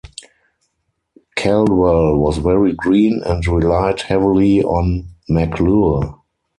Caldwell was very green and relied heavily on Maclure.